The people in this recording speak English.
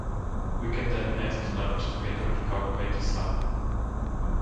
We can then add the numbers together to calculate the sum.